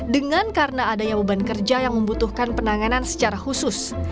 dengan karena adanya beban kerja yang membutuhkan penanganan secara khusus